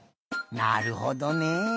なるほどね。